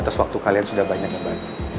terus waktu kalian sudah banyak banyak